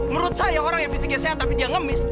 menurut saya orang yang fisiknya sehat tapi dia ngemis